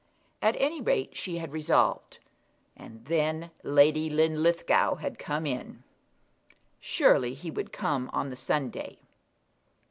At any rate she had resolved; and then Lady Linlithgow had come in! Surely he would come on the Sunday.